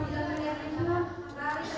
satu peratus tidak ada